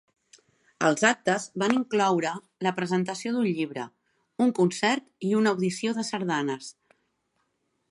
Els actes van incloure la presentació d'un llibre, un concert i una audició de sardanes.